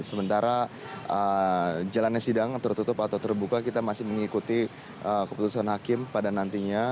sementara jalannya sidang tertutup atau terbuka kita masih mengikuti keputusan hakim pada nantinya